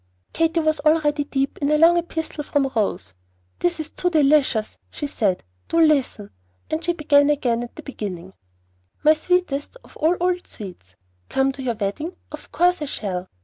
'" Katy was already deep in a long epistle from Rose. "This is too delicious," she said; "do listen." And she began again at the beginning: MY SWEETEST OF ALL OLD SWEETS, Come to your wedding! Of course I shall.